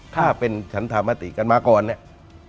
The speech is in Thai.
ถ้าเป็นฉันธรรมติกันมาก่อนเนี่ย